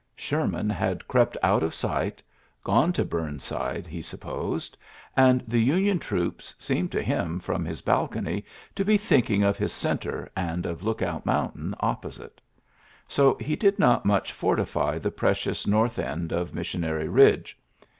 Sherman had crept out of sight, gone to Bumside, he supposed ^ and the Union troops seemed to him from his balcony to be thinking of his centre and of Lookout Mountain oppo site. So he did not much fortify the precious north end of Missionary Eidge.